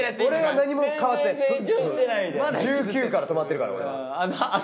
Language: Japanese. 俺は何も変わってない１９から止まってるから俺は。